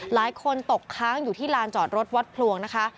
ตกค้างอยู่ที่ลานจอดรถวัดพลวงนะคะ